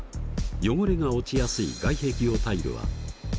「汚れが落ちやすい外壁用タイル」。